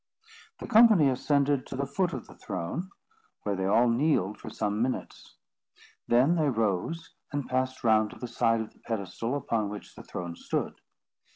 The company ascended to the foot of the throne, where they all kneeled for some minutes; then they rose and passed round to the side of the pedestal upon which the throne stood.